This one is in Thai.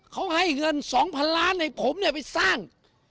เขาให้เงิน๒๐๐๐ล้านให้ผมเนี่ยไปสร้าง